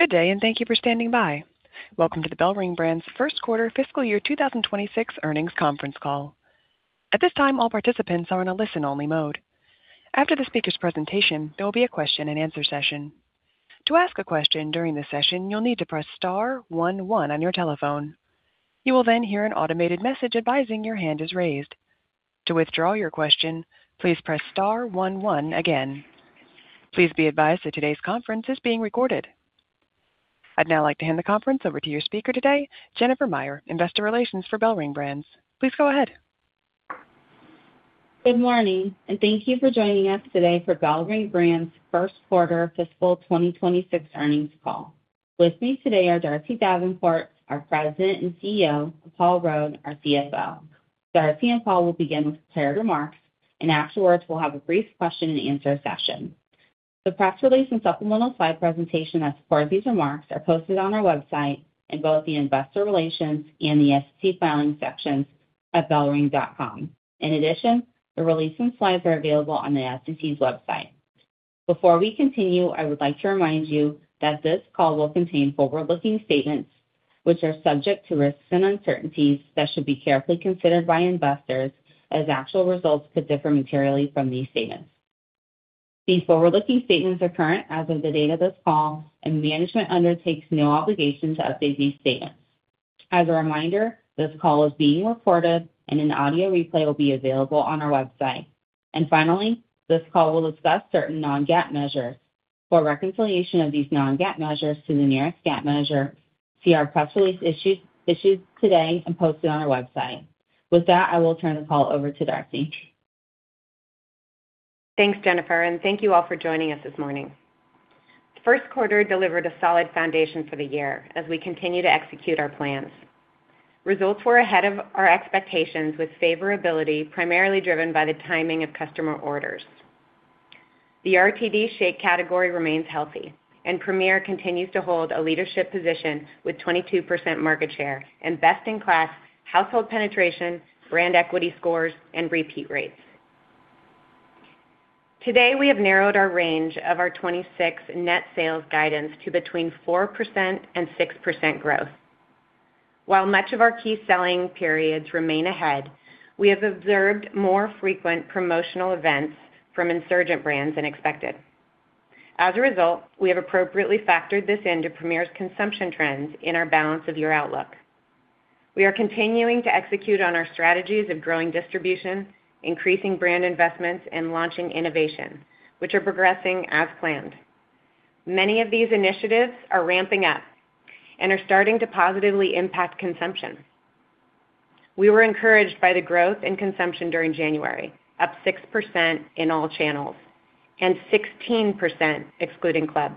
Good day, and thank you for standing by. Welcome to the BellRing Brands first quarter fiscal year 2026 earnings conference call. At this time, all participants are in a listen-only mode. After the speaker's presentation, there will be a question-and-answer session. To ask a question during the session, you'll need to press star one one on your telephone. You will then hear an automated message advising your hand is raised. To withdraw your question, please press star one one again. Please be advised that today's conference is being recorded. I'd now like to hand the conference over to your speaker today, Jennifer Meyer, Investor Relations for BellRing Brands. Please go ahead. Good morning, and thank you for joining us today for BellRing Brands' first quarter fiscal 2026 earnings call. With me today are Darcy Davenport, our President and CEO, and Paul Rode, our CFO. Darcy and Paul will begin with prepared remarks, and afterwards, we'll have a brief question-and-answer session. The press release and supplemental slide presentation that support these remarks are posted on our website in both the Investor Relations and the SEC Filings sections at bellring.com. In addition, the release and slides are available on the SEC's website. Before we continue, I would like to remind you that this call will contain forward-looking statements, which are subject to risks and uncertainties that should be carefully considered by investors, as actual results could differ materially from these statements. These forward-looking statements are current as of the date of this call, and management undertakes no obligation to update these statements. As a reminder, this call is being recorded and an audio replay will be available on our website. Finally, this call will discuss certain non-GAAP measures. For a reconciliation of these non-GAAP measures to the nearest GAAP measure, see our press release issued today and posted on our website. With that, I will turn the call over to Darcy. Thanks, Jennifer, and thank you all for joining us this morning. First quarter delivered a solid foundation for the year as we continue to execute our plans. Results were ahead of our expectations, with favorability primarily driven by the timing of customer orders. The RTD shake category remains healthy, and Premier continues to hold a leadership position with 22% market share and best-in-class household penetration, brand equity scores, and repeat rates. Today, we have narrowed our range of our 2026 net sales guidance to between 4% and 6% growth. While much of our key selling periods remain ahead, we have observed more frequent promotional events from insurgent brands than expected. As a result, we have appropriately factored this into Premier's consumption trends in our balance of year outlook. We are continuing to execute on our strategies of growing distribution, increasing brand investments, and launching innovation, which are progressing as planned. Many of these initiatives are ramping up and are starting to positively impact consumption. We were encouraged by the growth in consumption during January, up 6% in all channels and 16% excluding club.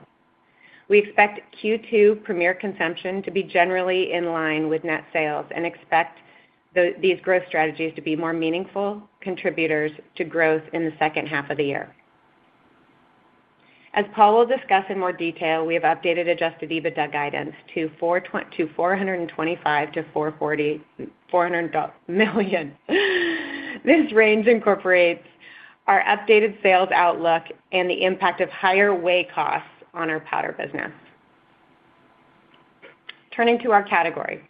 We expect Q2 Premier consumption to be generally in line with net sales and expect these growth strategies to be more meaningful contributors to growth in the second half of the year. As Paul will discuss in more detail, we have updated Adjusted EBITDA guidance to $425-$440 million. This range incorporates our updated sales outlook and the impact of higher whey costs on our powder business. Turning to our category.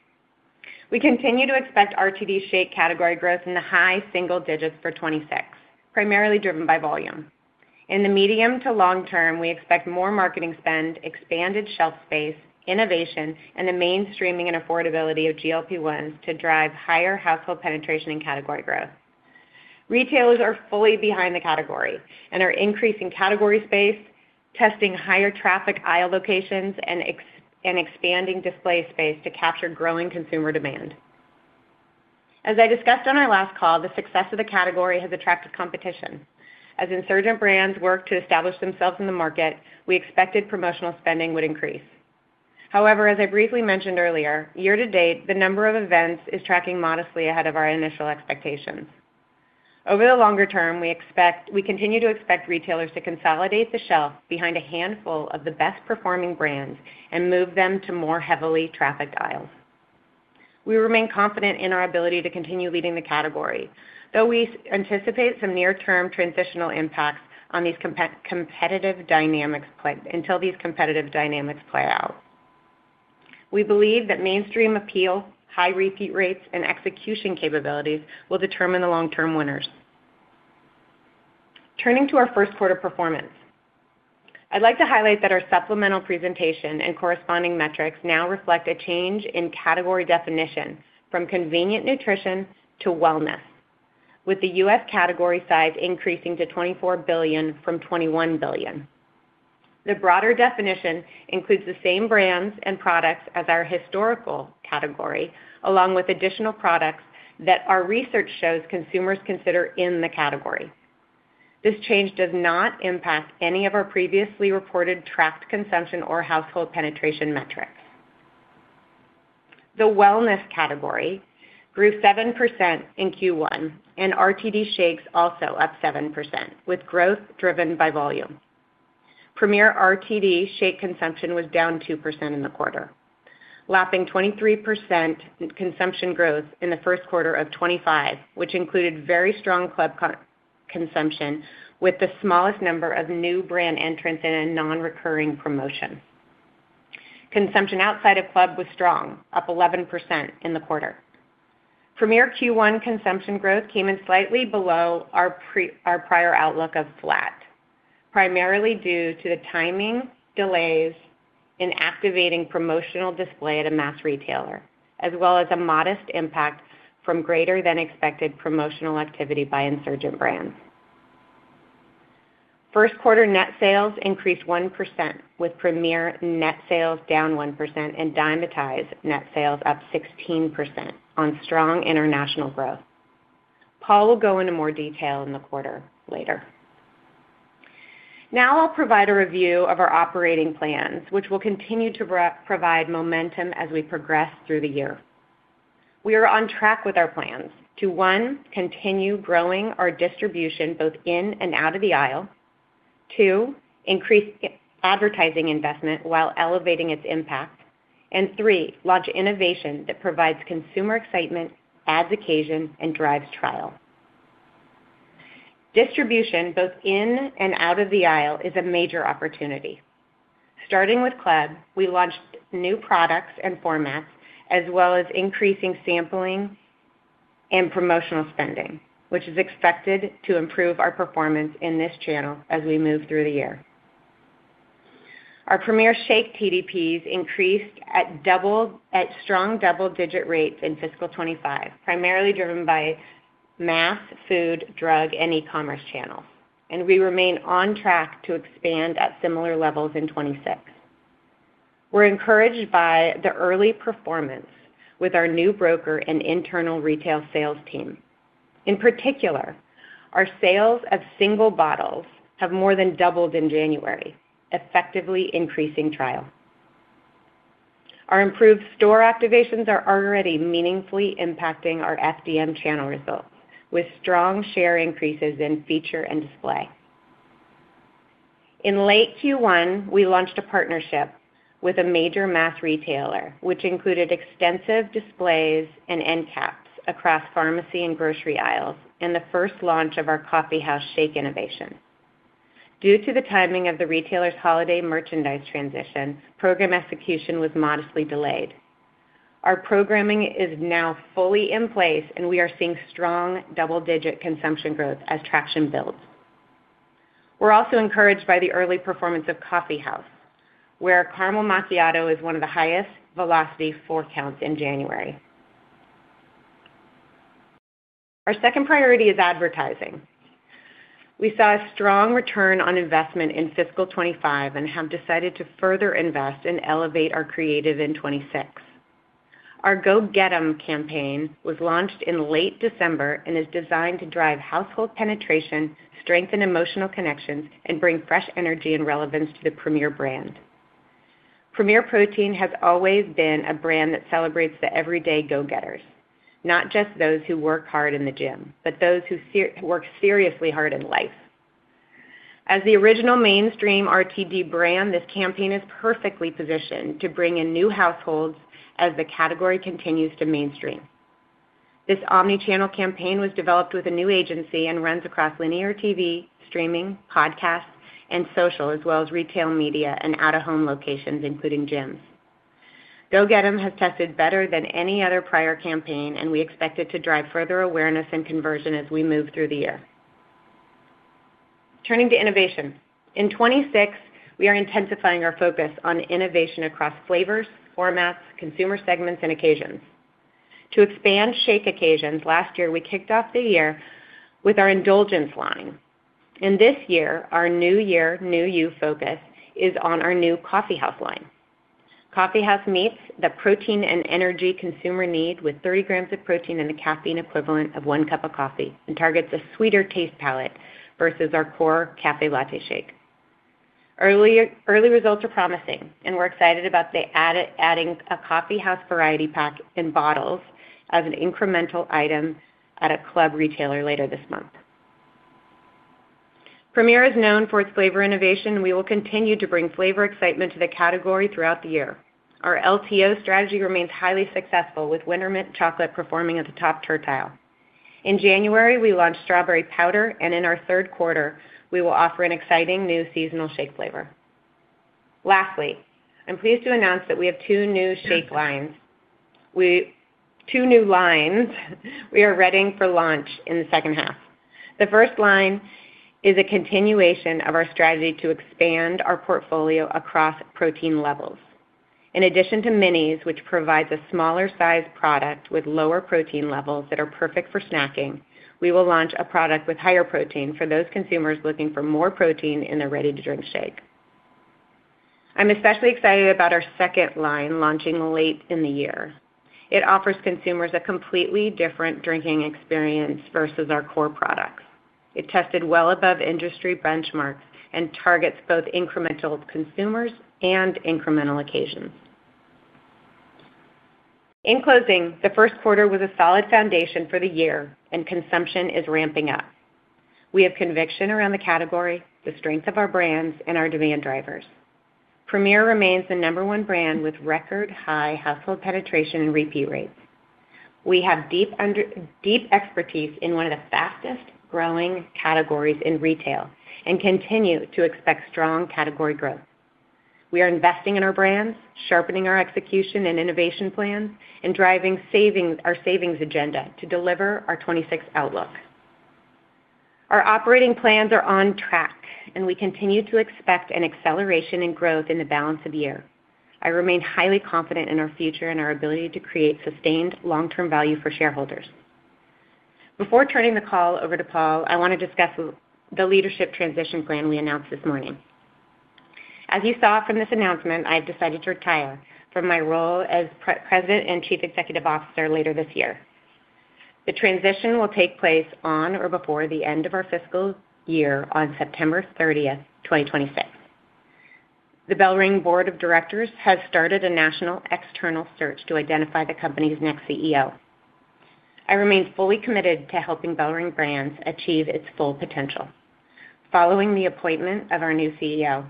We continue to expect RTD shake category growth in the high single digits for 2026, primarily driven by volume. In the medium to long term, we expect more marketing spend, expanded shelf space, innovation, and the mainstreaming and affordability of GLP-1s to drive higher household penetration and category growth. Retailers are fully behind the category and are increasing category space, testing higher traffic aisle locations, and expanding display space to capture growing consumer demand. As I discussed on our last call, the success of the category has attracted competition. As insurgent brands work to establish themselves in the market, we expected promotional spending would increase. However, as I briefly mentioned earlier, year to date, the number of events is tracking modestly ahead of our initial expectations. Over the longer term, we continue to expect retailers to consolidate the shelf behind a handful of the best-performing brands and move them to more heavily trafficked aisles. We remain confident in our ability to continue leading the category, though we anticipate some near-term transitional impacts on these competitive dynamics until these competitive dynamics play out. We believe that mainstream appeal, high repeat rates, and execution capabilities will determine the long-term winners. Turning to our first quarter performance. I'd like to highlight that our supplemental presentation and corresponding metrics now reflect a change in category definition from convenient nutrition to wellness, with the U.S. category size increasing to $24 billion from $21 billion. The broader definition includes the same brands and products as our historical category, along with additional products that our research shows consumers consider in the category. This change does not impact any of our previously reported tracked consumption or household penetration metrics. The wellness category grew 7% in Q1, and RTD shakes also up 7%, with growth driven by volume. Premier RTD shake consumption was down 2% in the quarter, lapping 23% consumption growth in the first quarter of 2025, which included very strong club consumption, with the smallest number of new brand entrants in a non-recurring promotion. Consumption outside of club was strong, up 11% in the quarter. Premier Q1 consumption growth came in slightly below our prior outlook of flat, primarily due to the timing, delays in activating promotional display at a mass retailer, as well as a modest impact from greater than expected promotional activity by insurgent brands. First quarter net sales increased 1%, with Premier net sales down 1% and Dymatize net sales up 16% on strong international growth. Paul will go into more detail in the quarter later. Now I'll provide a review of our operating plans, which will continue to provide momentum as we progress through the year. We are on track with our plans to, one, continue growing our distribution both in and out of the aisle. Two, increase advertising investment while elevating its impact. And three, launch innovation that provides consumer excitement, adds occasion, and drives trial. Distribution, both in and out of the aisle, is a major opportunity. Starting with club, we launched new products and formats, as well as increasing sampling and promotional spending, which is expected to improve our performance in this channel as we move through the year. Our Premier Shake TDPs increased at strong double-digit rates in fiscal 2025, primarily driven by mass, food, drug, and e-commerce channels, and we remain on track to expand at similar levels in 2026. We're encouraged by the early performance with our new broker and internal retail sales team. In particular, our sales of single bottles have more than doubled in January, effectively increasing trial. Our improved store activations are already meaningfully impacting our FDM channel results, with strong share increases in feature and display. In late Q1, we launched a partnership with a major mass retailer, which included extensive displays and end caps across pharmacy and grocery aisles, and the first launch of our Coffeehouse Shake innovation. Due to the timing of the retailer's holiday merchandise transition, program execution was modestly delayed. Our programming is now fully in place, and we are seeing strong double-digit consumption growth as traction builds. We're also encouraged by the early performance of Coffeehouse, where Caramel Macchiato is one of the highest velocity 4-counts in January. Our second priority is advertising. We saw a strong return on investment in fiscal 2025 and have decided to further invest and elevate our creative in 2026. Our Go Get 'Em campaign was launched in late December and is designed to drive household penetration, strengthen emotional connections, and bring fresh energy and relevance to the Premier brand. Premier Protein has always been a brand that celebrates the everyday go-getters, not just those who work hard in the gym, but those who work seriously hard in life. As the original mainstream RTD brand, this campaign is perfectly positioned to bring in new households as the category continues to mainstream. This omni-channel campaign was developed with a new agency and runs across linear TV, streaming, podcast, and social, as well as retail media and out-of-home locations, including gyms. Go Get 'Em has tested better than any other prior campaign, and we expect it to drive further awareness and conversion as we move through the year. Turning to innovation. In 2026, we are intensifying our focus on innovation across flavors, formats, consumer segments, and occasions. To expand shake occasions, last year, we kicked off the year with our Indulgence line, and this year, our New Year, New You focus is on our new Coffeehouse line. Coffeehouse meets the protein and energy consumer need with 30 grams of protein and a caffeine equivalent of 1 cup of coffee and targets a sweeter taste palette versus our core Café Latte shake. Early, early results are promising, and we're excited about adding a Coffeehouse variety pack in bottles as an incremental item at a club retailer later this month. Premier is known for its flavor innovation, and we will continue to bring flavor excitement to the category throughout the year. Our LTO strategy remains highly successful, with Winter Mint Chocolate performing at the top tertile. In January, we launched Strawberry powder, and in our third quarter, we will offer an exciting new seasonal shake flavor. Lastly, I'm pleased to announce that we have 2 new shake lines. Two new lines we are readying for launch in the second half. The first line is a continuation of our strategy to expand our portfolio across protein levels. In addition to Minis, which provides a smaller sized product with lower protein levels that are perfect for snacking, we will launch a product with higher protein for those consumers looking for more protein in their ready-to-drink shake. I'm especially excited about our second line launching late in the year. It offers consumers a completely different drinking experience versus our core products. It tested well above industry benchmarks and targets both incremental consumers and incremental occasions. In closing, the first quarter was a solid foundation for the year, and consumption is ramping up. We have conviction around the category, the strength of our brands, and our demand drivers. Premier remains the number 1 brand with record-high household penetration and repeat rates. We have deep expertise in one of the fastest-growing categories in retail and continue to expect strong category growth. We are investing in our brands, sharpening our execution and innovation plan, and driving savings, our savings agenda to deliver our 2026 outlook. Our operating plans are on track, and we continue to expect an acceleration in growth in the balance of the year. I remain highly confident in our future and our ability to create sustained long-term value for shareholders. Before turning the call over to Paul, I want to discuss the leadership transition plan we announced this morning. As you saw from this announcement, I have decided to retire from my role as President and Chief Executive Officer later this year. The transition will take place on or before the end of our fiscal year on September 30, 2026. The BellRing Board of Directors has started a national external search to identify the company's next CEO. I remain fully committed to helping BellRing Brands achieve its full potential. Following the appointment of our new CEO,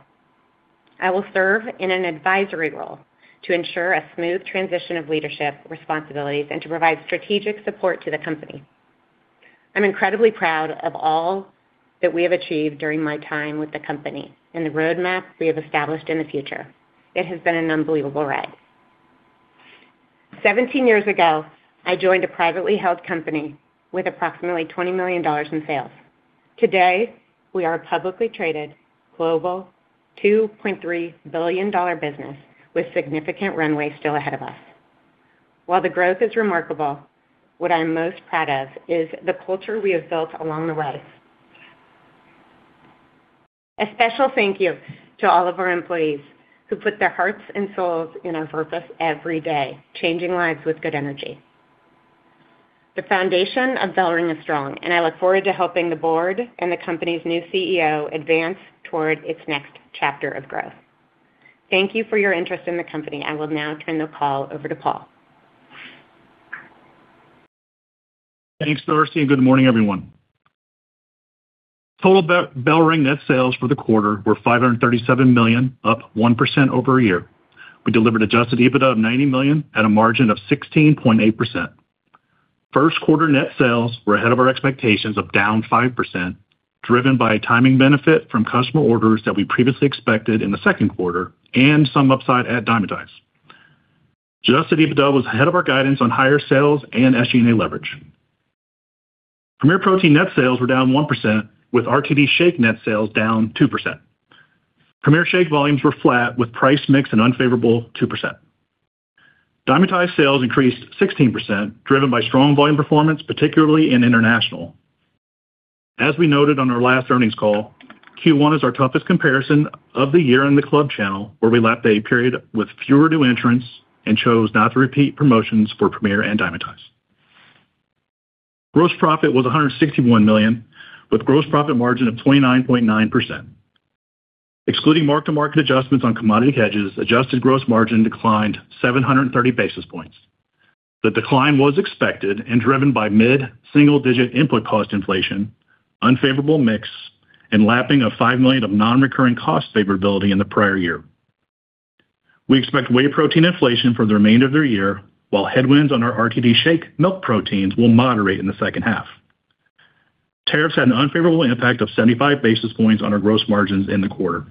I will serve in an advisory role to ensure a smooth transition of leadership responsibilities and to provide strategic support to the company. I'm incredibly proud of all that we have achieved during my time with the company and the roadmap we have established in the future. It has been an unbelievable ride. 17 years ago, I joined a privately held company with approximately $20 million in sales. Today, we are a publicly traded, global $2.3 billion business with significant runway still ahead of us. While the growth is remarkable, what I'm most proud of is the culture we have built along the way. A special thank you to all of our employees who put their hearts and souls in our purpose every day, changing lives with good energy. The foundation of BellRing is strong, and I look forward to helping the board and the company's new CEO advance toward its next chapter of growth. Thank you for your interest in the company. I will now turn the call over to Paul. Thanks, Darcy, and good morning, everyone. Total BellRing net sales for the quarter were $537 million, up 1% over a year. We delivered Adjusted EBITDA of $90 million at a margin of 16.8%. First quarter net sales were ahead of our expectations of down 5%, driven by a timing benefit from customer orders that we previously expected in the second quarter and some upside at Dymatize. Adjusted EBITDA was ahead of our guidance on higher sales and SG&A leverage. Premier Protein net sales were down 1%, with RTD shake net sales down 2%. Premier shake volumes were flat, with price mix and unfavorable 2%. Dymatize sales increased 16%, driven by strong volume performance, particularly in international. As we noted on our last earnings call, Q1 is our toughest comparison of the year in the club channel, where we lapped a period with fewer new entrants and chose not to repeat promotions for Premier and Dymatize. Gross profit was $161 million, with gross profit margin of 29.9%. Excluding mark-to-market adjustments on commodity hedges, adjusted gross margin declined 730 basis points. The decline was expected and driven by mid-single-digit input cost inflation, unfavorable mix, and lapping of $5 million of non-recurring cost favorability in the prior year. We expect whey protein inflation for the remainder of the year, while headwinds on our RTD shake milk proteins will moderate in the second half. Tariffs had an unfavorable impact of 75 basis points on our gross margins in the quarter.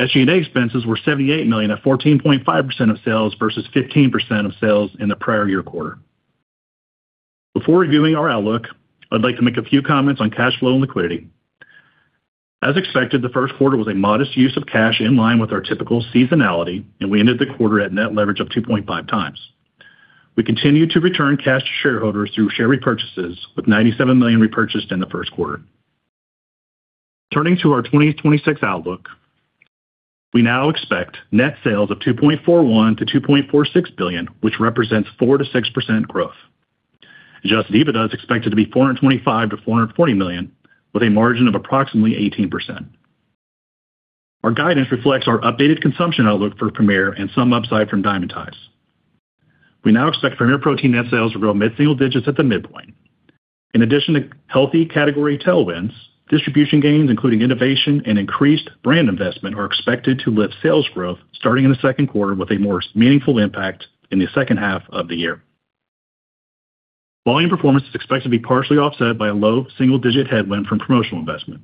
SG&A expenses were $78 million, at 14.5% of sales, versus 15% of sales in the prior year quarter. Before reviewing our outlook, I'd like to make a few comments on cash flow and liquidity. As expected, the first quarter was a modest use of cash in line with our typical seasonality, and we ended the quarter at net leverage of 2.5 times. We continued to return cash to shareholders through share repurchases, with $97 million repurchased in the first quarter. Turning to our 2026 outlook, we now expect net sales of $2.41 billion-$2.46 billion, which represents 4%-6% growth. Adjusted EBITDA is expected to be $425 million-$440 million, with a margin of approximately 18%. Our guidance reflects our updated consumption outlook for Premier and some upside from Dymatize. We now expect Premier Protein net sales to grow mid-single digits at the midpoint. In addition to healthy category tailwinds, distribution gains, including innovation and increased brand investment, are expected to lift sales growth starting in the second quarter, with a more meaningful impact in the second half of the year. Volume performance is expected to be partially offset by a low single-digit headwind from promotional investment.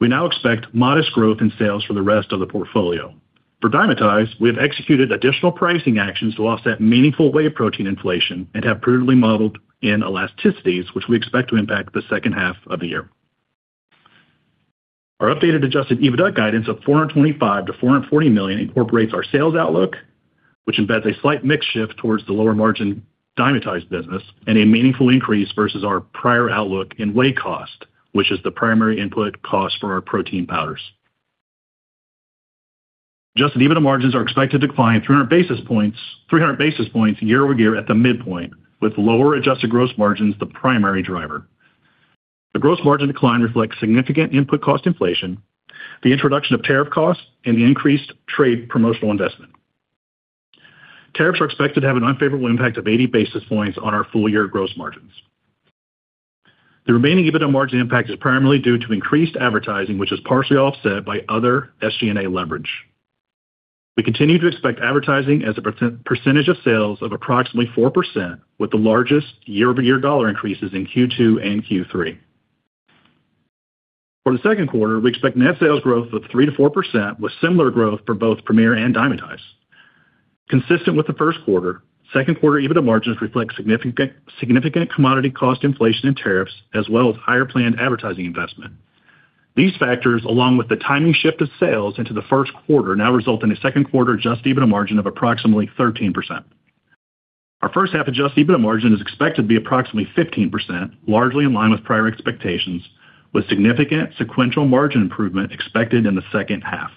We now expect modest growth in sales for the rest of the portfolio. For Dymatize, we have executed additional pricing actions to offset meaningful whey protein inflation and have prudently modeled in elasticities, which we expect to impact the second half of the year. Our updated adjusted EBITDA guidance of $425 million-$440 million incorporates our sales outlook, which embeds a slight mix shift towards the lower-margin Dymatize business and a meaningful increase versus our prior outlook in whey cost, which is the primary input cost for our protein powders. Adjusted EBITDA margins are expected to decline 300 basis points, 300 basis points year-over-year at the midpoint, with lower adjusted gross margins the primary driver. The gross margin decline reflects significant input cost inflation, the introduction of tariff costs, and the increased trade promotional investment. Tariffs are expected to have an unfavorable impact of 80 basis points on our full-year gross margins. The remaining EBITDA margin impact is primarily due to increased advertising, which is partially offset by other SG&A leverage. We continue to expect advertising as a percentage of sales of approximately 4%, with the largest year-over-year dollar increases in Q2 and Q3. For the second quarter, we expect net sales growth of 3%-4%, with similar growth for both Premier and Dymatize. Consistent with the first quarter, second quarter EBITDA margins reflect significant commodity cost inflation and tariffs, as well as higher planned advertising investment. These factors, along with the timing shift of sales into the first quarter, now result in a second quarter adjusted EBITDA margin of approximately 13%. Our first half adjusted EBITDA margin is expected to be approximately 15%, largely in line with prior expectations, with significant sequential margin improvement expected in the second half.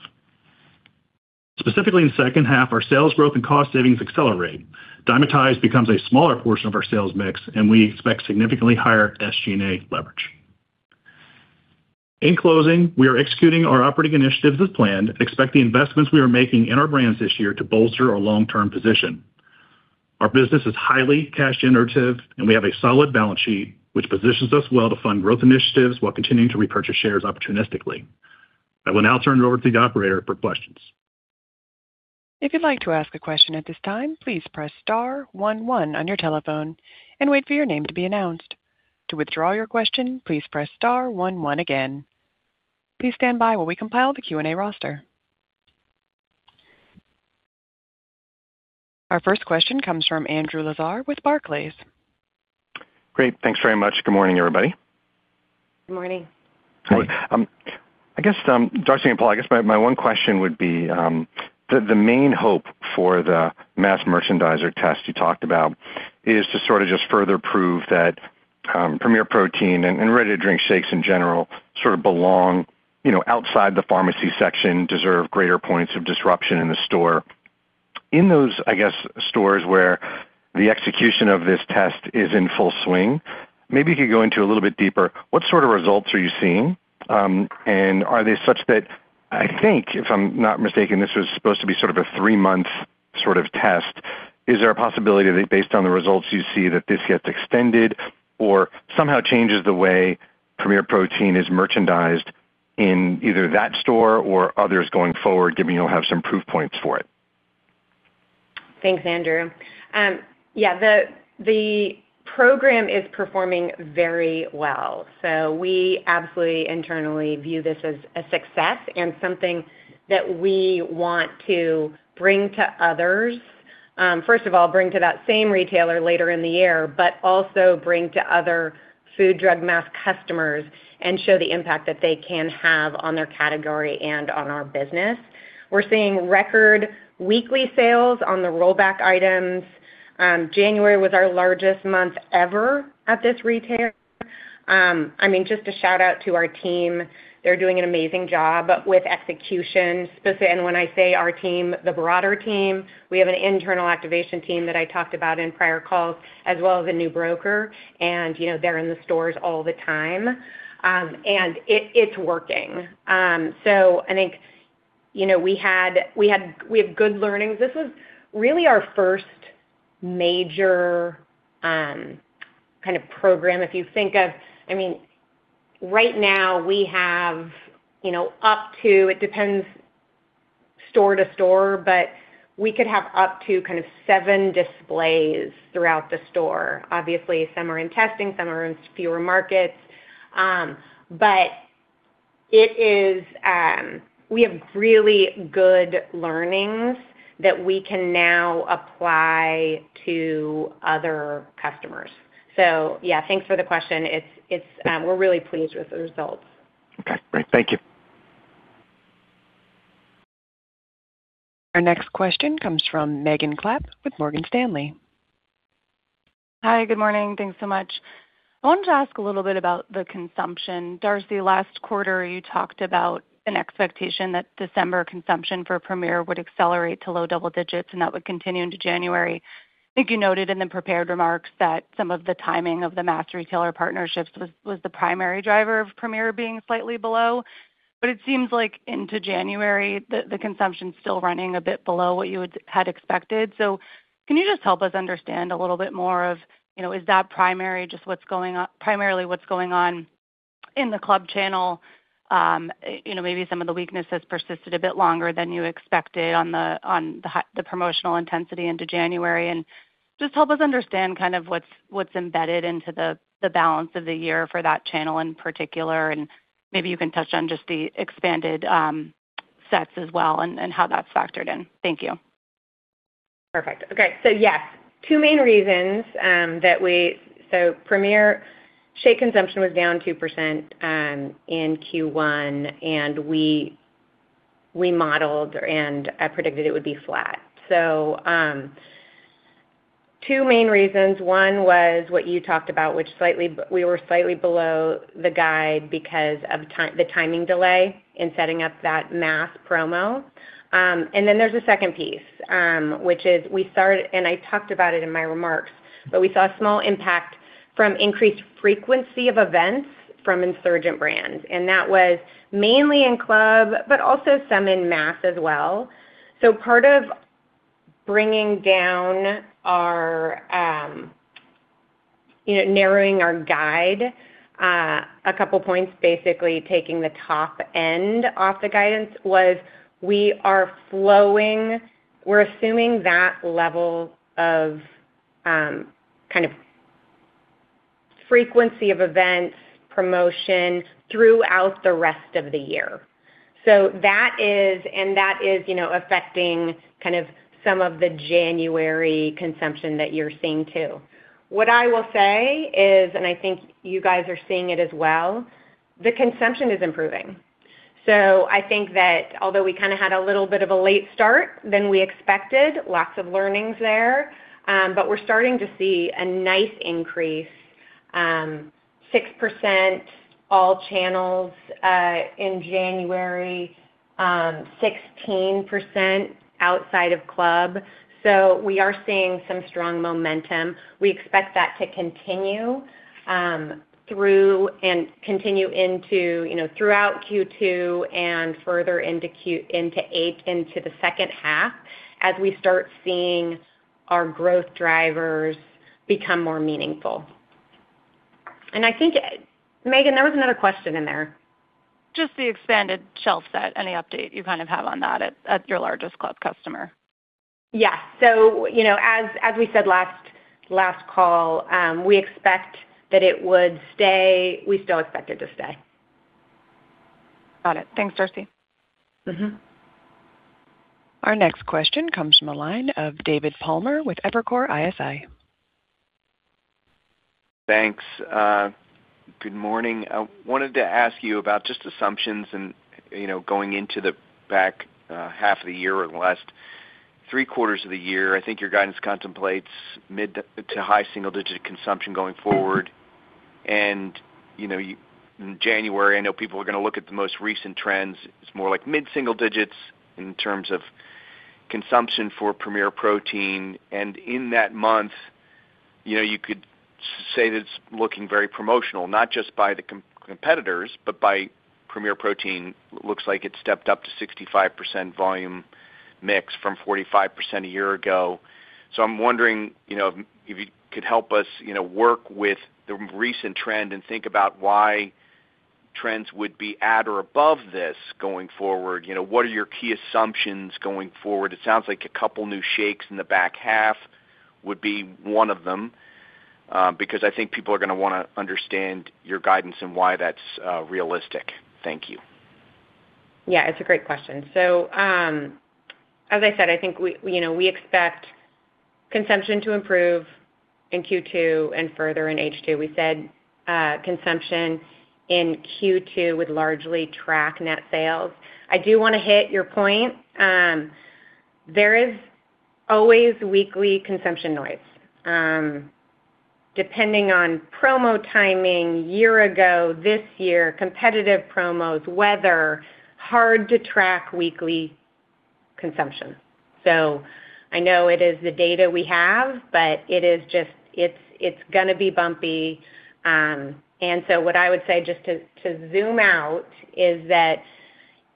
Specifically, in the second half, our sales growth and cost savings accelerate. Dymatize becomes a smaller portion of our sales mix, and we expect significantly higher SG&A leverage. In closing, we are executing our operating initiatives as planned, expect the investments we are making in our brands this year to bolster our long-term position. Our business is highly cash generative, and we have a solid balance sheet, which positions us well to fund growth initiatives while continuing to repurchase shares opportunistically. I will now turn it over to the operator for questions. If you'd like to ask a question at this time, please press star one one on your telephone and wait for your name to be announced. To withdraw your question, please press star one one again. Please stand by while we compile the Q&A roster. Our first question comes from Andrew Lazar with Barclays. Great. Thanks very much. Good morning, everybody. Good morning. Hi. I guess, Darcy and Paul, I guess my 1 question would be, the main hope for the mass merchandiser test you talked about is to sort of just further prove that, Premier Protein and ready-to-drink shakes in general, sort of belong, you know, outside the pharmacy section, deserve greater points of distribution in the store. In those, I guess, stores where the execution of this test is in full swing, maybe you could go into a little bit deeper. What sort of results are you seeing? And are they such that... I think, if I'm not mistaken, this was supposed to be sort of a 3-month sort of test. Is there a possibility that based on the results you see, that this gets extended or somehow changes the way Premier Protein is merchandised in either that store or others going forward, giving you'll have some proof points for it? Thanks, Andrew. Yeah, the program is performing very well. So we absolutely internally view this as a success and something that we want to bring to others. First of all, bring to that same retailer later in the year, but also bring to other food, drug, mass customers and show the impact that they can have on their category and on our business. We're seeing record weekly sales on the rollback items. January was our largest month ever at this retailer. I mean, just a shout-out to our team. They're doing an amazing job with execution. Specifically, and when I say our team, the broader team. We have an internal activation team that I talked about in prior calls, as well as a new broker, and, you know, they're in the stores all the time. And it's working. So I think, you know, we have good learnings. This was really our first major kind of program. If you think of, I mean, right now we have, you know, up to. It depends, store to store, but we could have up to kind of 7 displays throughout the store. Obviously, some are in testing, some are in fewer markets. But it is, we have really good learnings that we can now apply to other customers. So yeah, thanks for the question. It's, it's, we're really pleased with the results. Okay, great. Thank you. Our next question comes from Megan Clapp with Morgan Stanley. Hi, good morning. Thanks so much. I wanted to ask a little bit about the consumption. Darcy, last quarter, you talked about an expectation that December consumption for Premier would accelerate to low double digits, and that would continue into January. I think you noted in the prepared remarks that some of the timing of the master retailer partnerships was the primary driver of Premier being slightly below. But it seems like into January, the consumption is still running a bit below what you would have expected. So can you just help us understand a little bit more of, you know, is that primarily just what's going on in the club channel? You know, maybe some of the weaknesses persisted a bit longer than you expected on the promotional intensity into January. Just help us understand kind of what's embedded into the balance of the year for that channel in particular, and maybe you can touch on just the expanded sets as well and how that's factored in. Thank you. Perfect. Okay, so yes, 2 main reasons. Premier shake consumption was down 2%, in Q1, and we modeled and predicted it would be flat. So, 2 main reasons. One was what you talked about, which we were slightly below the guide because of the timing delay in setting up that mass promo. And then there's a second piece, which is we started, and I talked about it in my remarks, but we saw a small impact from increased frequency of events from insurgent brands, and that was mainly in club, but also some in mass as well. So part of bringing down our, you know, narrowing our guide, a couple points, basically taking the top end off the guidance, was we are flowing, we're assuming that level of, kind of frequency of events, promotions throughout the rest of the year. So that is, you know, affecting kind of some of the January consumption that you're seeing, too. What I will say is, I think you guys are seeing it as well, the consumption is improving. So I think that although we kinda had a little bit of a late start than we expected, lots of learnings there, but we're starting to see a nice increase, 6% all channels, in January, 16% outside of club. So we are seeing some strong momentum. We expect that to continue through and continue into, you know, throughout Q2 and further into the second half as we start seeing our growth drivers become more meaningful. And I think, Megan, there was another question in there. Just the expanded shelf set, any update you kind of have on that at your largest club customer? Yes. So, you know, as we said last call, we expect that it would stay... We still expect it to stay. Got it. Thanks, Darcy. Mm-hmm. Our next question comes from the line of David Palmer with Evercore ISI. Thanks. Good morning. I wanted to ask you about just assumptions and, you know, going into the back half of the year or the last 3 quarters of the year. I think your guidance contemplates mid- to high-single-digit consumption going forward. And, you know, in January, I know people are gonna look at the most recent trends. It's more like mid-single digits in terms of consumption for Premier Protein. And in that month, you know, you could say that it's looking very promotional, not just by the competitors, but by Premier Protein. Looks like it stepped up to 65% volume mix from 45% a year ago. So I'm wondering, you know, if you could help us, you know, work with the recent trend and think about why trends would be at or above this going forward. You know, what are your key assumptions going forward? It sounds like a couple new shakes in the back half would be one of them, because I think people are gonna wanna understand your guidance and why that's, realistic. Thank you. Yeah, it's a great question. So, as I said, I think we, you know, we expect consumption to improve in Q2 and further in H2. We said, consumption in Q2 would largely track net sales. I do wanna hit your point. There is always weekly consumption noise. Depending on promo timing, year ago, this year, competitive promos, weather, hard to track weekly consumption. So I know it is the data we have, but it is just... It's, it's gonna be bumpy. And so what I would say, just to zoom out, is that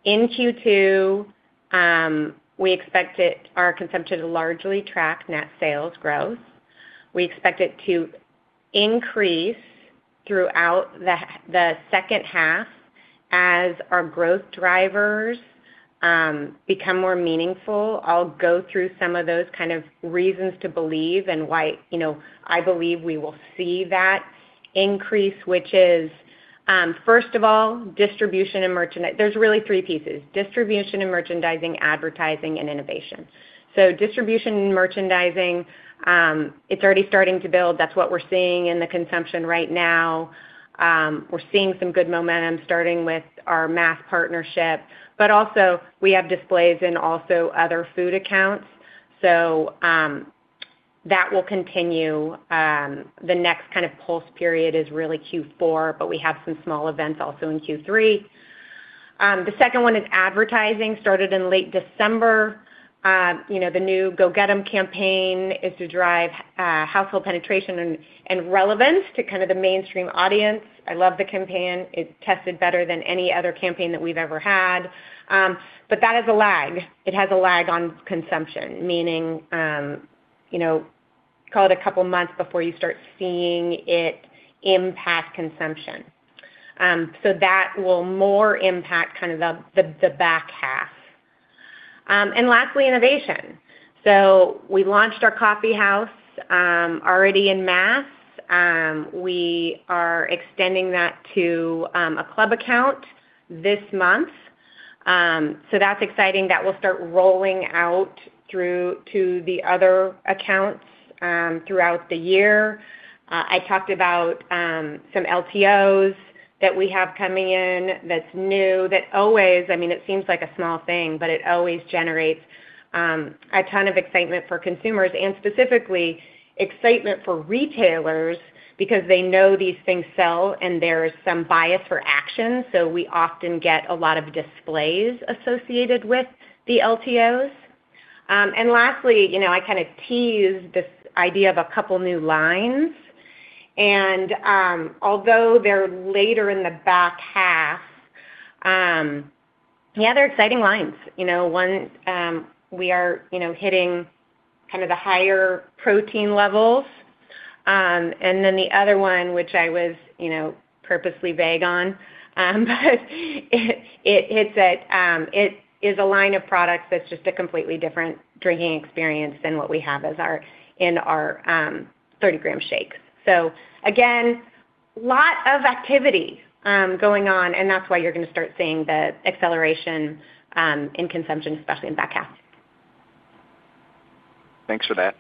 in Q2, we expect it, our consumption to largely track net sales growth. We expect it to increase throughout the second half as our growth drivers become more meaningful. I'll go through some of those kind of reasons to believe and why, you know, I believe we will see that increase, which is, first of all, distribution and merchandising, there's really 3 pieces: distribution and merchandising, advertising, and innovation. So distribution and merchandising, it's already starting to build. That's what we're seeing in the consumption right now. We're seeing some good momentum, starting with our mass partnership, but also we have displays in also other food accounts. So, that will continue. The next kind of pulse period is really Q4, but we have some small events also in Q3. The second one is advertising, started in late December. You know, the new Go Get 'Em campaign is to drive, household penetration and, and relevance to kind of the mainstream audience. I love the campaign. It tested better than any other campaign that we've ever had. But that is a lag. It has a lag on consumption, meaning, you know, call it a couple of months before you start seeing it impact consumption. So that will more impact kind of the back half. And lastly, innovation. So we launched our Coffeehouse already in mass. We are extending that to a club account this month. So that's exciting. That will start rolling out through to the other accounts throughout the year. I talked about some LTOs that we have coming in that's new, that always... I mean, it seems like a small thing, but it always generates a ton of excitement for consumers and specifically excitement for retailers because they know these things sell, and there is some bias for action. So we often get a lot of displays associated with the LTOs.... And lastly, you know, I kind of teased this idea of a couple new lines, and, although they're later in the back half, yeah, they're exciting lines. You know, one, we are, you know, hitting kind of the higher protein levels. And then the other one, which I was, you know, purposely vague on, but it, it, it's a, it is a line of products that's just a completely different drinking experience than what we have as our-- in our, 30-gram shakes. So again, lot of activity, going on, and that's why you're gonna start seeing the acceleration, in consumption, especially in the back half. Thanks for that.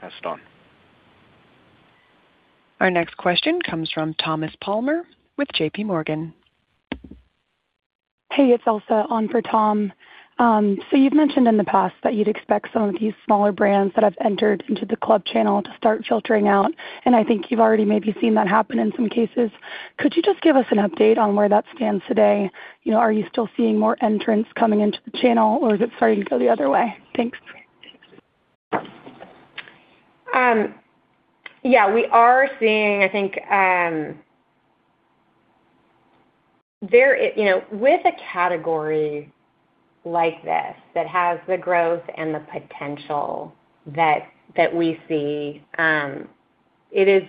Pass it on. Our next question comes from Thomas Palmer with J.P. Morgan. Hey, it's Elsa on for Tom. You've mentioned in the past that you'd expect some of these smaller brands that have entered into the club channel to start filtering out, and I think you've already maybe seen that happen in some cases. Could you just give us an update on where that stands today? You know, are you still seeing more entrants coming into the channel, or is it starting to go the other way? Thanks. Yeah, we are seeing, I think. There, you know, with a category like this, that has the growth and the potential that, that we see, it is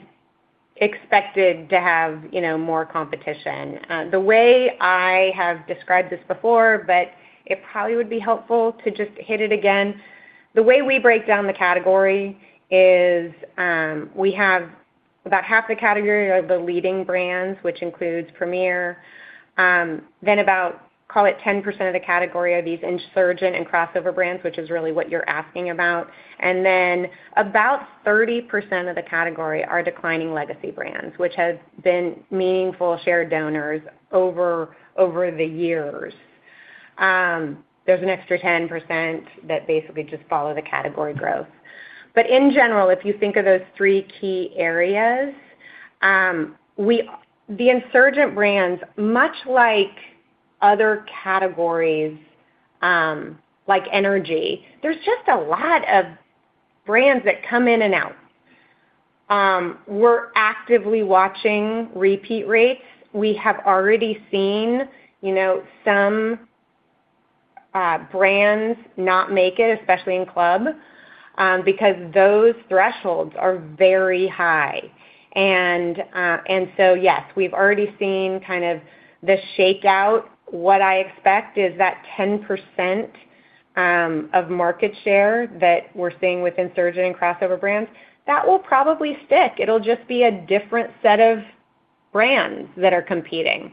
expected to have, you know, more competition. The way I have described this before, but it probably would be helpful to just hit it again. The way we break down the category is, we have about half the category are the leading brands, which includes Premier. Then about, call it 10% of the category, are these insurgent and crossover brands, which is really what you're asking about. And then about 30% of the category are declining legacy brands, which have been meaningful share donors over, over the years. There's an extra 10% that basically just follow the category growth. But in general, if you think of those 3 key areas, we... The insurgent brands, much like other categories, like energy, there's just a lot of brands that come in and out. We're actively watching repeat rates. We have already seen, you know, some, brands not make it, especially in club, because those thresholds are very high. And so, yes, we've already seen kind of the shakeout. What I expect is that 10% of market share that we're seeing with insurgent and crossover brands, that will probably stick. It'll just be a different set of brands that are competing.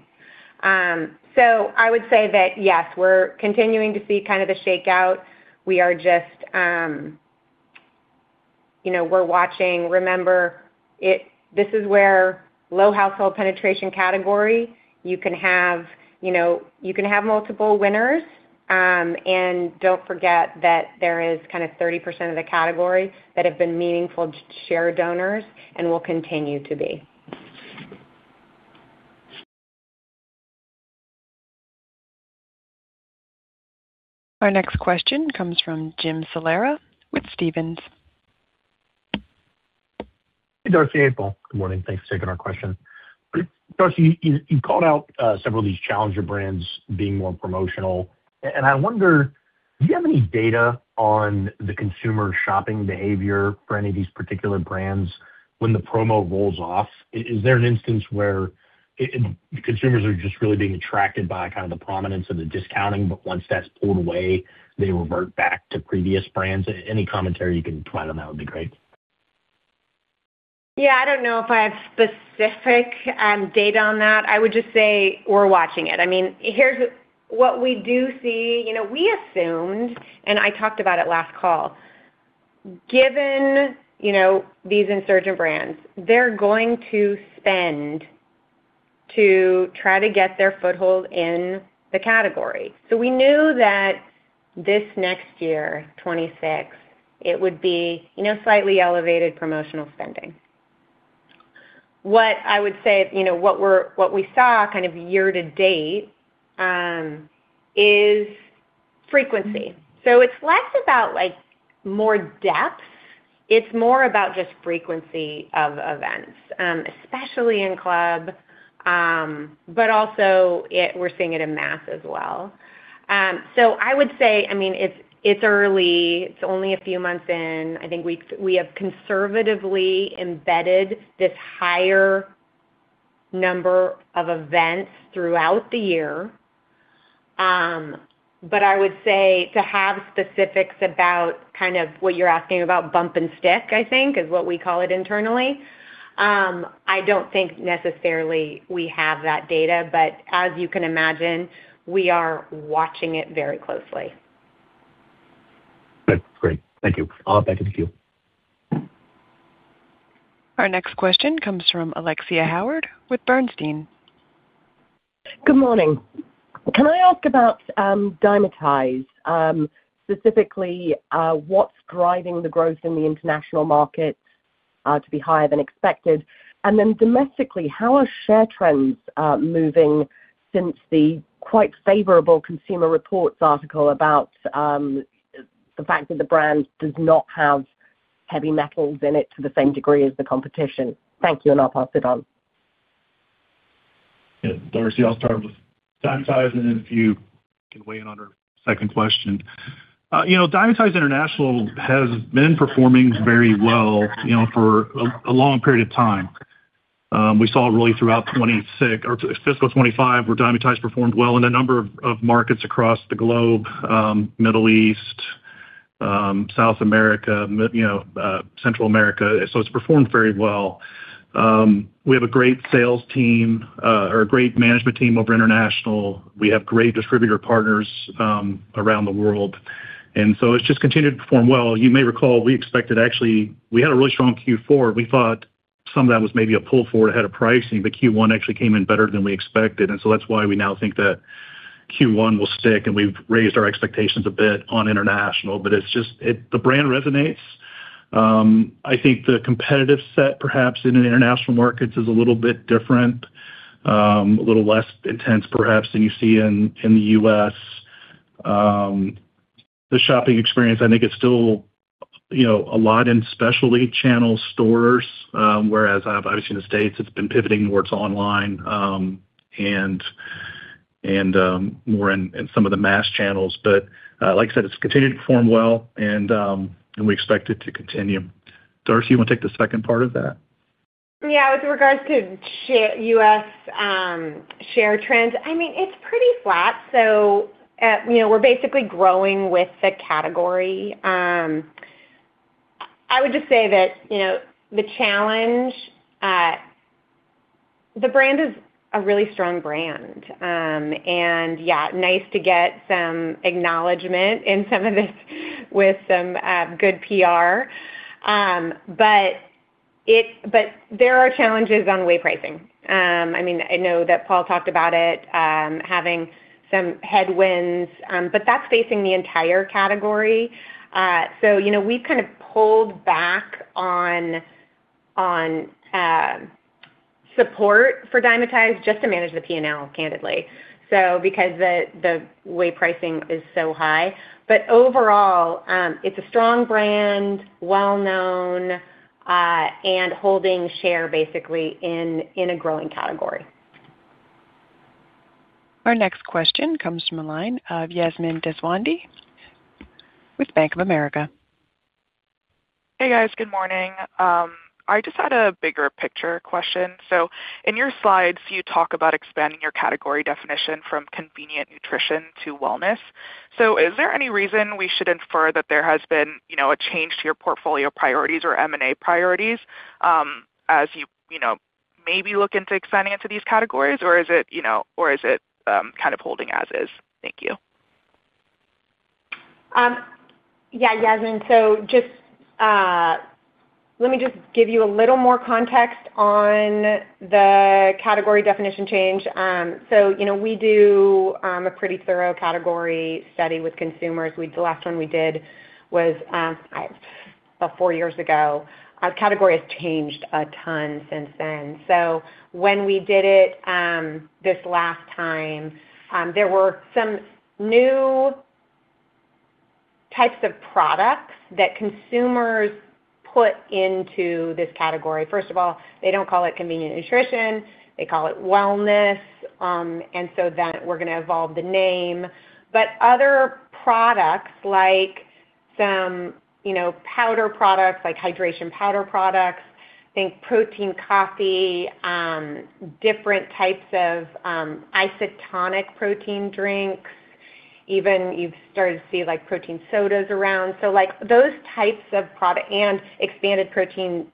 So I would say that, yes, we're continuing to see kind of the shakeout. We are just, you know, we're watching. Remember, it, this is where low household penetration category, you can have, you know, you can have multiple winners. And don't forget that there is kind of 30% of the category that have been meaningful share donors and will continue to be. Our next question comes from Jim Salera with Stephens. Hey, Darcy, Paul. Good morning. Thanks for taking our question. Darcy, you called out several of these challenger brands being more promotional. And I wonder, do you have any data on the consumer shopping behavior for any of these particular brands when the promo rolls off? Is there an instance where consumers are just really being attracted by kind of the prominence of the discounting, but once that's pulled away, they revert back to previous brands? Any commentary you can provide on that would be great. Yeah, I don't know if I have specific data on that. I would just say we're watching it. I mean, here's what we do see. You know, we assumed, and I talked about it last call, given, you know, these insurgent brands, they're going to spend to try to get their foothold in the category. So we knew that this next year, 2026, it would be, you know, slightly elevated promotional spending. What I would say, you know, what we saw kind of year to date is frequency. So it's less about, like, more depth. It's more about just frequency of events, especially in club, but also in mass as well. So I would say, I mean, it's early. It's only a few months in. I think we have conservatively embedded this higher number of events throughout the year. But I would say to have specifics about kind of what you're asking about, bump and stick, I think, is what we call it internally. I don't think necessarily we have that data, but as you can imagine, we are watching it very closely. Good. Great. Thank you. I'll go back to the queue. Our next question comes from Alexia Howard with Bernstein. Good morning. Can I ask about Dymatize? Specifically, what's driving the growth in the international markets?... to be higher than expected? And then domestically, how are share trends moving since the quite favorable Consumer Reports article about the fact that the brand does not have heavy metals in it to the same degree as the competition? Thank you, and I'll pass it on. Yeah, Darcy, I'll start with Dymatize, and if you can weigh in on her second question. You know, Dymatize International has been performing very well, you know, for a long period of time. We saw it really throughout 26 or fiscal 25, where Dymatize performed well in a number of markets across the globe, Middle East, South America, Central America. So it's performed very well. We have a great sales team or a great management team over international. We have great distributor partners around the world, and so it's just continued to perform well. You may recall, we expected actually. We had a really strong Q4. We thought some of that was maybe a pull forward ahead of pricing, but Q1 actually came in better than we expected, and so that's why we now think that Q1 will stick, and we've raised our expectations a bit on international, but it's just, it, the brand resonates. I think the competitive set, perhaps in international markets, is a little bit different, a little less intense perhaps than you see in the US. The shopping experience, I think it's still, you know, a lot in specialty channel stores, whereas obviously in the States, it's been pivoting towards online, and more in some of the mass channels. But, like I said, it's continued to perform well, and we expect it to continue. Darcy, you want to take the second part of that? Yeah. With regards to US share trends, I mean, it's pretty flat. So, you know, we're basically growing with the category. I would just say that, you know, the challenge, the brand is a really strong brand. And yeah, nice to get some acknowledgment in some of this with some good PR. But there are challenges on the whey pricing. I mean, I know that Paul talked about it, having some headwinds, but that's facing the entire category. So you know, we've kind of pulled back on support for Dymatize just to manage the P&L, candidly, so because the whey pricing is so high. But overall, it's a strong brand, well known, and holding share basically in a growing category. Our next question comes from the line of Yasmine Deswandhy with Bank of America. Hey, guys, good morning. I just had a bigger picture question. So in your slides, you talk about expanding your category definition from convenient nutrition to wellness. So is there any reason we should infer that there has been, you know, a change to your portfolio priorities or M&A priorities, as you, you know, maybe look into expanding into these categories? Or is it, you know, or is it, kind of holding as is? Thank you. Yeah, Yasmin, so just let me just give you a little more context on the category definition change. So, you know, we do a pretty thorough category study with consumers. The last one we did was about 4 years ago. Our category has changed a ton since then. So when we did it this last time, there were some new types of products that consumers put into this category. First of all, they don't call it convenient nutrition, they call it wellness, and so then we're gonna evolve the name. But other products like some, you know, powder products, like hydration powder products, think protein coffee, different types of isotonic protein drinks, even you've started to see, like, protein sodas around. So, like, those types of product and expanded protein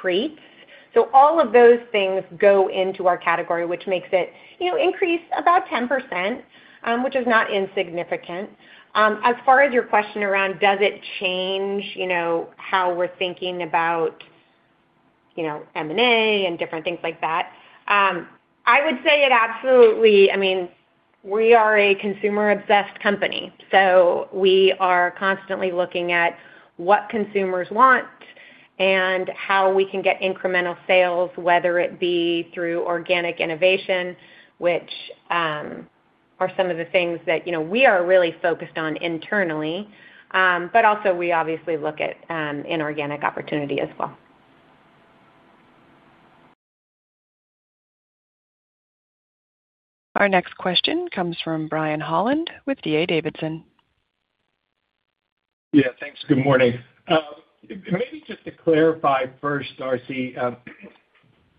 treats. So all of those things go into our category, which makes it, you know, increase about 10%, which is not insignificant. As far as your question around, does it change, you know, how we're thinking about, you know, M&A and different things like that? I would say it absolutely... I mean, we are a consumer-obsessed company, so we are constantly looking at what consumers want and how we can get incremental sales, whether it be through organic innovation, which, are some of the things that, you know, we are really focused on internally, but also we obviously look at, inorganic opportunity as well. Our next question comes from Brian Holland with D.A. Davidson. Yeah, thanks. Good morning. Maybe just to clarify first, Darcy,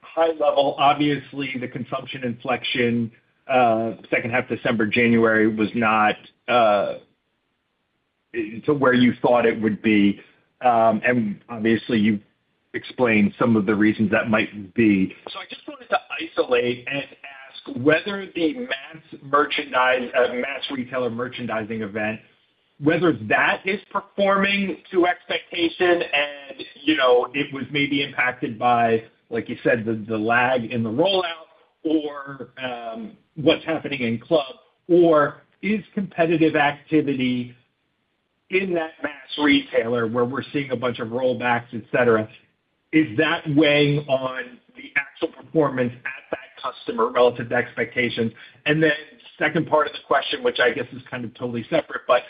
high level, obviously, the consumption inflection, second half, December, January, was not to where you thought it would be. And obviously, you've explained some of the reasons that might be. So I just wanted to isolate and ask whether the mass merchandise, mass retailer merchandising event, whether that is performing to expectation and, you know, it was maybe impacted by, like you said, the lag in the rollout or, what's happening in club, or is competitive activity-... in that mass retailer where we're seeing a bunch of rollbacks, et cetera, is that weighing on the actual performance at that customer relative to expectations? And then second part of the question, which I guess is kind of totally separate, but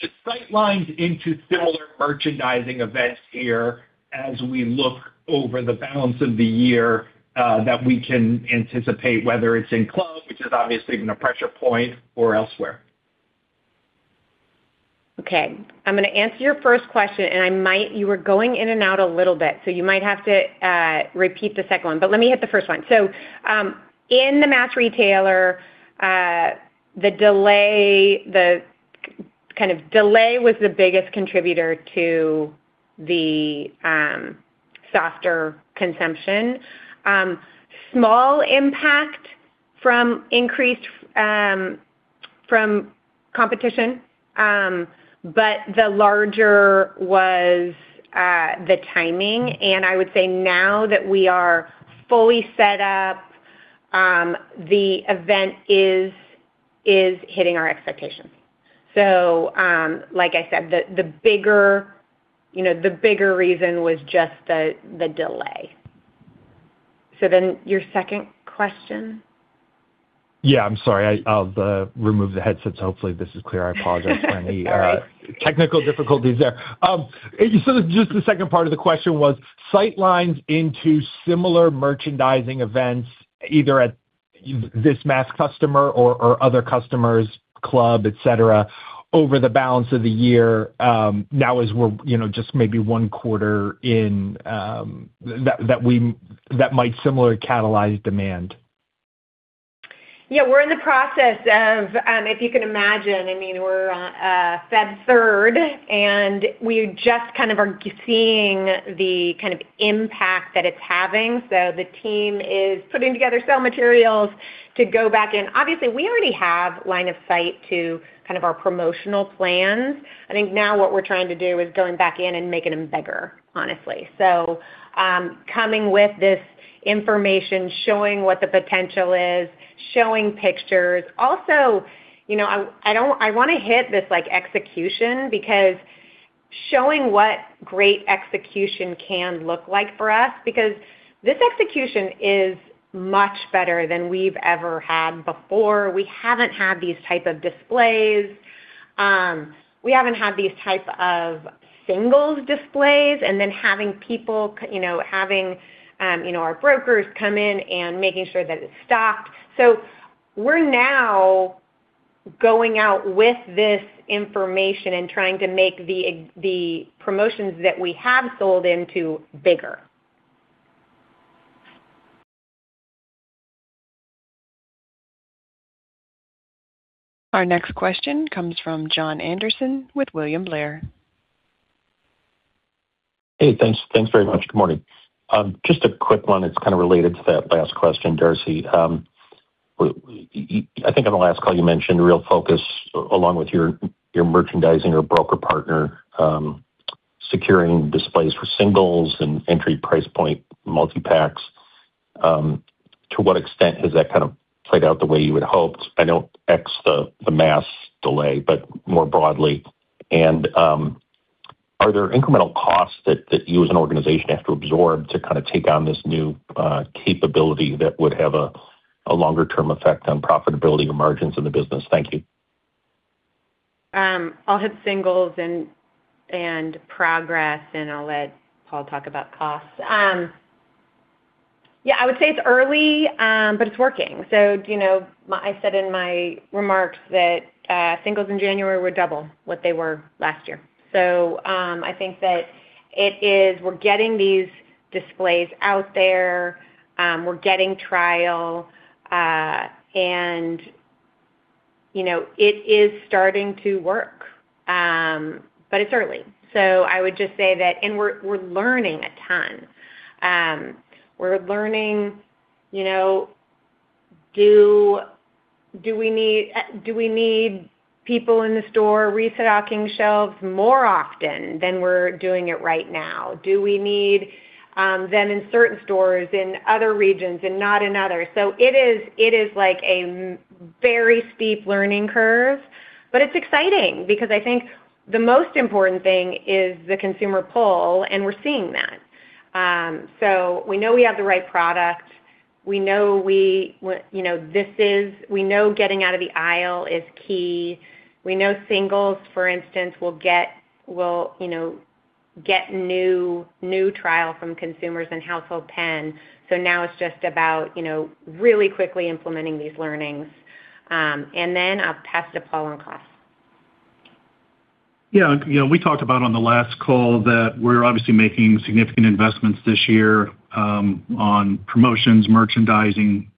just sightlines into similar merchandising events here as we look over the balance of the year, that we can anticipate, whether it's in club, which is obviously in a pressure point, or elsewhere. Okay, I'm gonna answer your first question, and I might, you were going in and out a little bit, so you might have to repeat the second one. But let me hit the first one. So, in the mass retailer, the delay, the kind of delay was the biggest contributor to the softer consumption. Small impact from increased from competition, but the larger was the timing, and I would say now that we are fully set up, the event is, is hitting our expectations. So, like I said, the, the bigger, you know, the bigger reason was just the, the delay. So then your second question? Yeah, I'm sorry, I'll remove the headsets. Hopefully, this is clear. Sorry. I apologize for any technical difficulties there. So just the second part of the question was, sightlines into similar merchandising events, either at this mass customer or other customers, Club, et cetera, over the balance of the year, now as we're, you know, just maybe one quarter in, that might similarly catalyze demand. Yeah, we're in the process of, if you can imagine, I mean, we're on February third, and we just kind of are seeing the kind of impact that it's having. So the team is putting together sales materials to go back in. Obviously, we already have line of sight to kind of our promotional plans. I think now what we're trying to do is going back in and making them bigger, honestly. So, coming with this information, showing what the potential is, showing pictures. Also, you know, I, I don't-- I wanna hit this like execution because showing what great execution can look like for us, because this execution is much better than we've ever had before. We haven't had these type of displays. We haven't had these type of singles displays and then having people, you know, having, you know, our brokers come in and making sure that it's stocked. So we're now going out with this information and trying to make the promotions that we have sold into bigger. Our next question comes from John Anderson with William Blair. Hey, thanks. Thanks very much. Good morning. Just a quick one, it's kind of related to that last question, Darcy. I think on the last call, you mentioned real focus, along with your merchandising or broker partner, securing displays for singles and entry price point multi-packs. To what extent has that kind of played out the way you would hoped? I know X, the mass delay, but more broadly. Are there incremental costs that you as an organization have to absorb to kind of take on this new capability that would have a longer-term effect on profitability or margins in the business? Thank you. I'll hit singles and progress, and I'll let Paul talk about costs. Yeah, I would say it's early, but it's working. So, you know, my... I said in my remarks that, singles in January were double what they were last year. So, I think that it is, we're getting these displays out there, we're getting trial, and, you know, it is starting to work. But it's early. So I would just say that... And we're, we're learning a ton. We're learning, you know, do, do we need, do we need people in the store restocking shelves more often than we're doing it right now? Do we need, them in certain stores in other regions and not in others? So it is like a very steep learning curve, but it's exciting because I think the most important thing is the consumer pull, and we're seeing that. So we know we have the right product. We know you know, this is... We know getting out of the aisle is key. We know singles, for instance, will get you know get new trial from consumers in household pen. So now it's just about you know really quickly implementing these learnings. And then I'll pass to Paul on costs. Yeah, you know, we talked about on the last call that we're obviously making significant investments this year, on promotions, merchandising,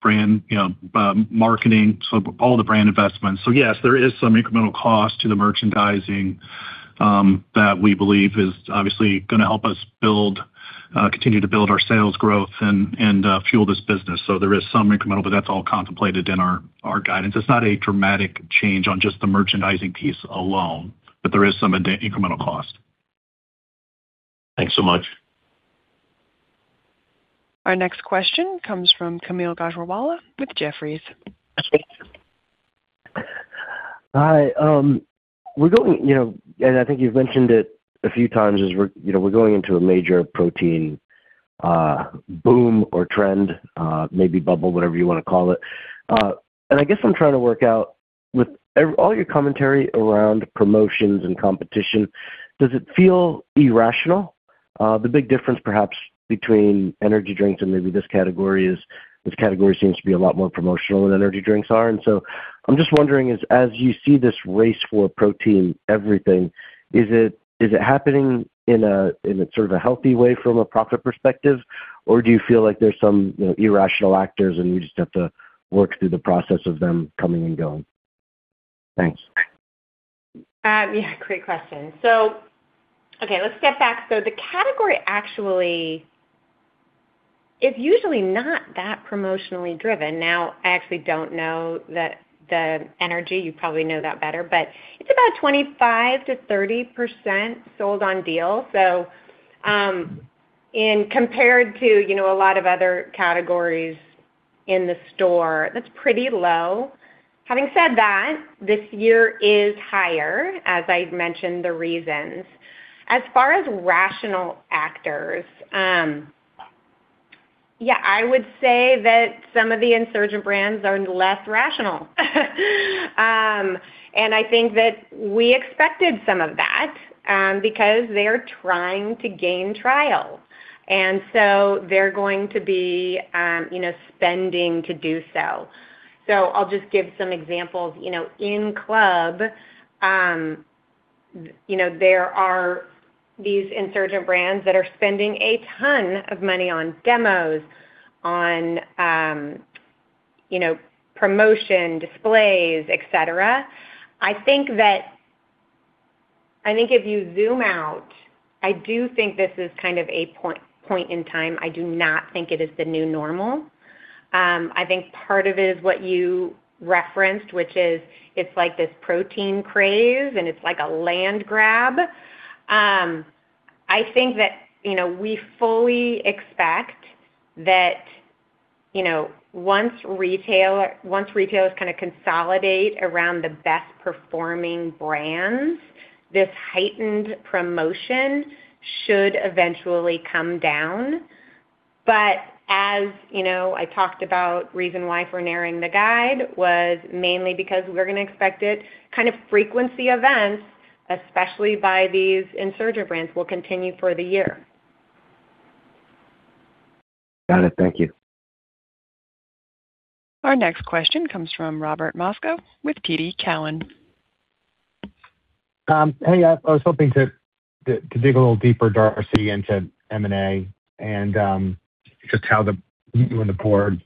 brand, you know, marketing, so all the brand investments. So yes, there is some incremental cost to the merchandising, that we believe is obviously gonna help us build, continue to build our sales growth and fuel this business. So there is some incremental, but that's all contemplated in our guidance. It's not a dramatic change on just the merchandising piece alone, but there is some additional incremental cost. Thanks so much. Our next question comes from Kaumil Gajrawala with Jefferies. Hi, we're going, you know, and I think you've mentioned it a few times, as we're, you know, we're going into a major protein boom or trend, maybe bubble, whatever you wanna call it. And I guess I'm trying to work out with all your commentary around promotions and competition, does it feel irrational? The big difference perhaps between energy drinks and maybe this category is, this category seems to be a lot more promotional than energy drinks are. And so I'm just wondering, as you see this race for protein everything, is it happening in a sort of a healthy way from a profit perspective? Or do you feel like there's some, you know, irrational actors, and you just have to work through the process of them coming and going? Thanks. Yeah, great question. So okay, let's step back. So the category actually, it's usually not that promotionally driven. Now, I actually don't know the energy. You probably know that better, but it's about 25%-30% sold on deal. So, and compared to, you know, a lot of other categories in the store, that's pretty low. Having said that, this year is higher, as I've mentioned, the reasons. As far as rational actors, yeah, I would say that some of the insurgent brands are less rational. And I think that we expected some of that, because they're trying to gain trial, and so they're going to be, you know, spending to do so. So I'll just give some examples. You know, in club, you know, there are these insurgent brands that are spending a ton of money on demos, on, you know, promotion, displays, et cetera. I think that I think if you zoom out, I do think this is kind of a point in time. I do not think it is the new normal. I think part of it is what you referenced, which is, it's like this protein craze, and it's like a land grab. I think that, you know, we fully expect that, you know, once retail, once retailers kinda consolidate around the best-performing brands, this heightened promotion should eventually come down. But as you know, I talked about reason why for narrowing the guide was mainly because we're gonna expect it, kind of frequency events, especially by these insurgent brands, will continue for the year. Got it. Thank you. Our next question comes from Robert Moskow with TD Cowen. Hey, I was hoping to dig a little deeper, Darcy, into M&A and just how you and the board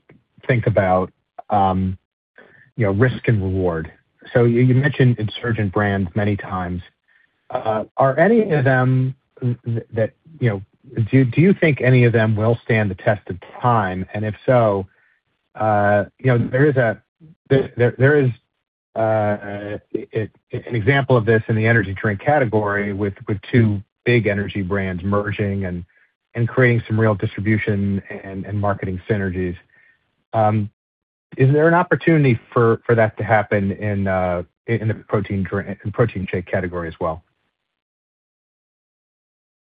think about, you know, risk and reward. So you mentioned insurgent brands many times. Are any of them that you know do you think any of them will stand the test of time? And if so, you know, there is an example of this in the energy drink category with 2 big energy brands merging and creating some real distribution and marketing synergies. Is there an opportunity for that to happen in the protein shake category as well?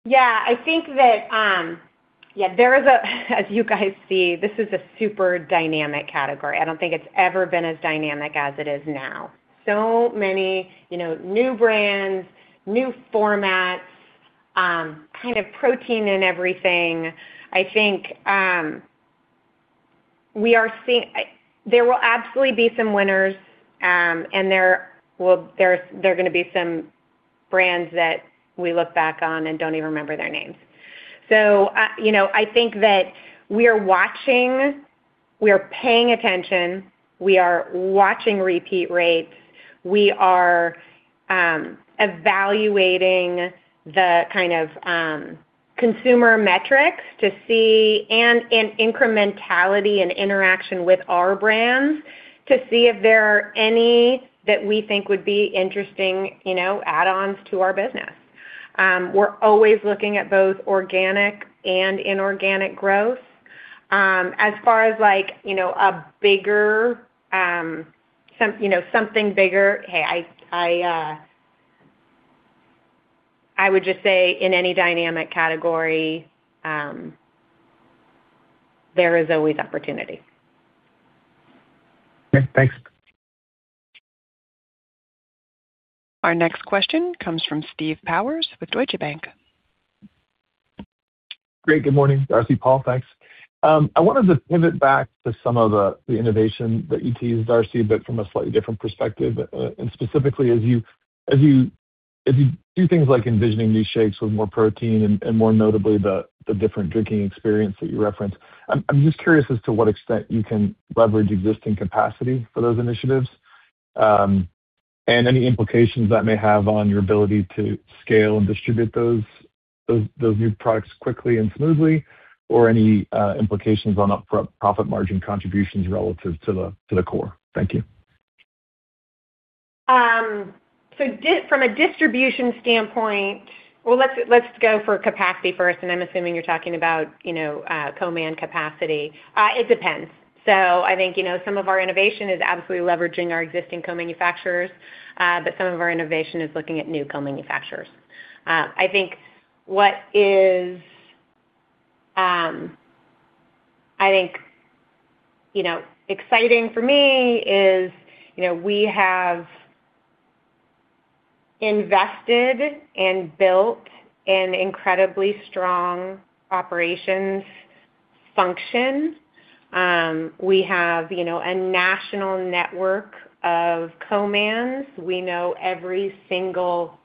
Yeah, I think that, yeah, there is a... as you guys see, this is a super dynamic category. I don't think it's ever been as dynamic as it is now. So many, you know, new brands, new formats, kind of protein in everything. I think, we are seeing... There will absolutely be some winners, and there will, there's, there are gonna be some brands that we look back on and don't even remember their names. So, you know, I think that we are watching, we are paying attention, we are watching repeat rates. We are, evaluating the kind of, consumer metrics to see and, and incrementality and interaction with our brands to see if there are any that we think would be interesting, you know, add-ons to our business. We're always looking at both organic and inorganic growth. As far as, like, you know, a bigger, you know, something bigger, hey, I would just say in any dynamic category, there is always opportunity. Okay, thanks. Our next question comes from Steve Powers with Deutsche Bank. Great. Good morning, Darcy, Paul, thanks. I wanted to pivot back to some of the innovation that you teased, Darcy, but from a slightly different perspective, and specifically, as you do things like envisioning these shakes with more protein and more notably, the different drinking experience that you referenced, I'm just curious as to what extent you can leverage existing capacity for those initiatives, and any implications that may have on your ability to scale and distribute those new products quickly and smoothly, or any implications on up-front profit margin contributions relative to the core? Thank you. So from a distribution standpoint, well, let's go for capacity first, and I'm assuming you're talking about, you know, co-man capacity. It depends. So I think, you know, some of our innovation is absolutely leveraging our existing co-manufacturers, but some of our innovation is looking at new co-manufacturers. I think, you know, exciting for me is, you know, we have invested and built an incredibly strong operations function. We have, you know, a national network of co-mans. We know every single,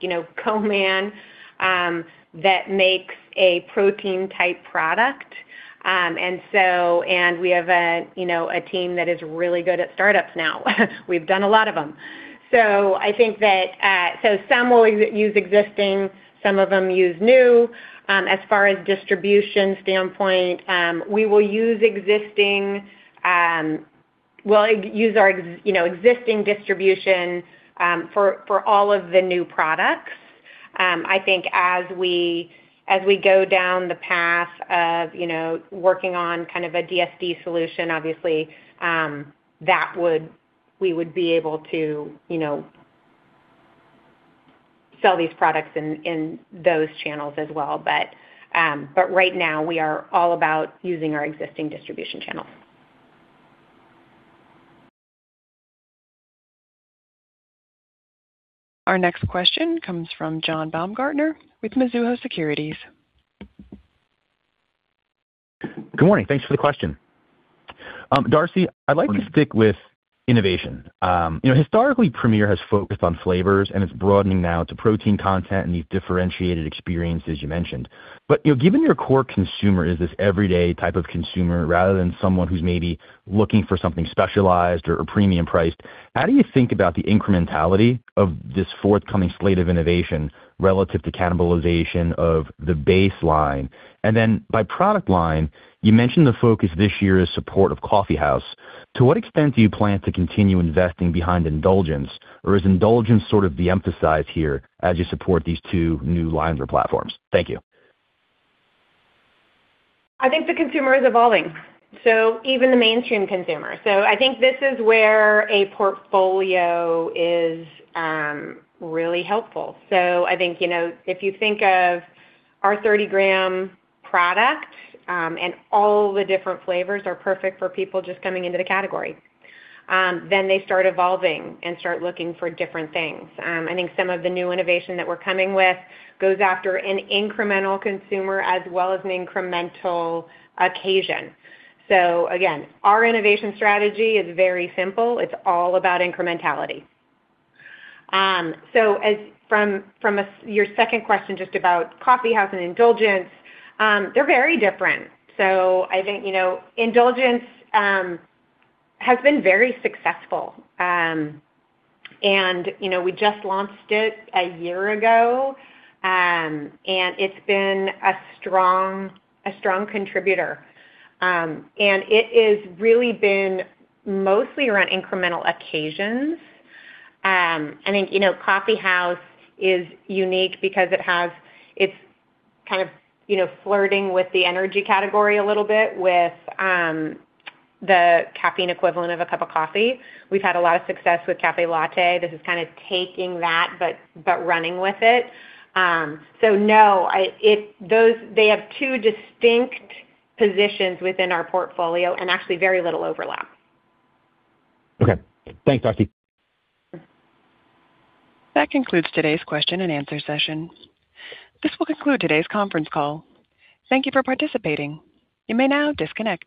you know, co-man that makes a protein-type product. And we have a, you know, a team that is really good at startups now. We've done a lot of them. So I think that, so some will use existing, some of them use new. As far as distribution standpoint, we will use existing. We'll use our existing distribution for all of the new products. I think as we go down the path of working on kind of a DSD solution, obviously, we would be able to sell these products in those channels as well. But right now, we are all about using our existing distribution channels. Our next question comes from John Baumgartner with Mizuho Securities. Good morning. Thanks for the question. Darcy, I'd like to stick with innovation. You know, historically, Premier has focused on flavors, and it's broadening now to protein content and these differentiated experiences you mentioned. But, you know, given your core consumer is this everyday type of consumer, rather than someone who's maybe looking for something specialized or premium priced, how do you think about the incrementality of this forthcoming slate of innovation relative to cannibalization of the baseline? And then, by product line, you mentioned the focus this year is support of Coffeehouse. To what extent do you plan to continue investing behind Indulgence, or is Indulgence sort of de-emphasized here as you support these 2 new lines or platforms? Thank you. I think the consumer is evolving, so even the mainstream consumer. So I think this is where a portfolio is really helpful. So I think, you know, if you think of our 30-gram product, and all the different flavors are perfect for people just coming into the category, then they start evolving and start looking for different things. I think some of the new innovation that we're coming with goes after an incremental consumer as well as an incremental occasion. So again, our innovation strategy is very simple. It's all about incrementality. So from your second question, just about Coffeehouse and Indulgence, they're very different. So I think, you know, Indulgence has been very successful. And, you know, we just launched it a year ago. And it's been a strong, a strong contributor. It is really been mostly around incremental occasions. I think, you know, Coffeehouse is unique because it has... It's kind of, you know, flirting with the energy category a little bit with the caffeine equivalent of a cup of coffee. We've had a lot of success with Café Latte. This is kind of taking that, but running with it. So no, those... They have 2 distinct positions within our portfolio and actually very little overlap. Okay. Thanks, Darcy. That concludes today's question and answer session. This will conclude today's conference call. Thank you for participating. You may now disconnect.